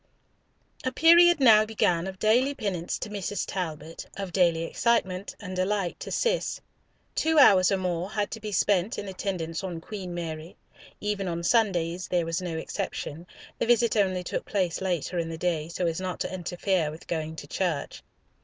A period now began of daily penance to Mrs. Talbot, of daily excitement and delight to Cis. Two hours or more had to be spent in attendance on Queen Mary. Even on Sundays there was no exemption, the visit only took place later in the day, so as not to interfere with going to church.